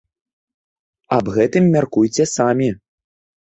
Аб гэтым мяркуйце самі.